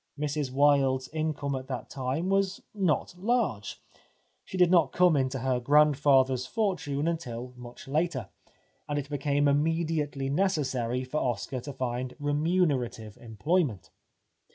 Mrs Wilde's income at that time was not large — she did not come into her grand father's fortune until much later, and it became immediately necessary for Oscar to find re munerative employment.